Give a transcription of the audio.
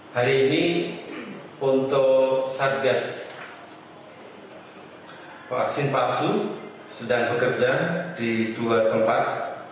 hari ini untuk satgas vaksin palsu sedang bekerja di dua tempat